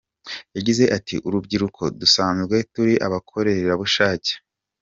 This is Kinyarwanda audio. Yagize ati “Urubyiruko dusanzwe turi abakorerabushake.